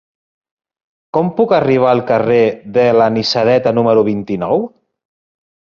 Com puc arribar al carrer de l'Anisadeta número vint-i-nou?